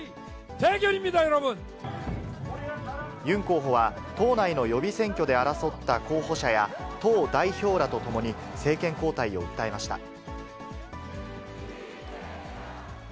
ユン候補は党内の予備選挙で争った候補者や、党代表らと共に、政権交代を訴えました。